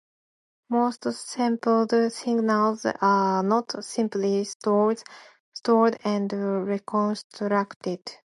Most sampled signals are not simply stored and reconstructed.